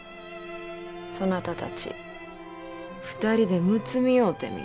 そなたたち２人でむつみ合うてみよ。